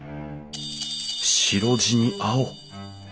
白地に青。